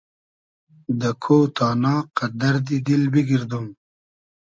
دۂ کۉ تانا قئد دئردی دیل بیگئردوم